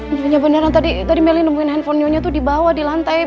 nyonya beneran tadi meli nemuin handphone nyonya tuh di bawah di lantai